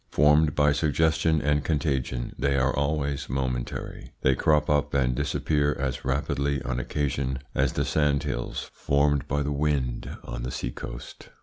Formed by suggestion and contagion, they are always momentary; they crop up and disappear as rapidly on occasion as the sandhills formed by the wind on the sea coast.